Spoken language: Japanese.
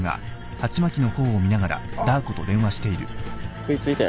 食い付いたよ